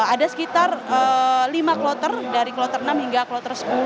ada sekitar lima kloter dari kilometer enam hingga kloter sepuluh